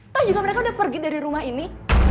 tau juga mereka udah pergi dari rumah ini